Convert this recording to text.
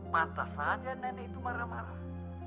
pantas saja nenek itu marah marah